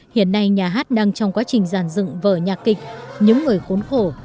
hiện nay nhà hát đang trong quá trình giàn dựng vở nhạc kịch những người khốn khổ